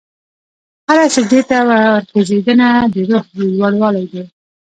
هره سجدې ته ورکوځېدنه، د روح لوړوالی دی.